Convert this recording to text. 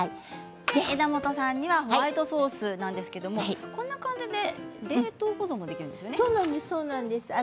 枝元さんにはホワイトソースなんですけどこんな感じで冷凍保存できるんですよね。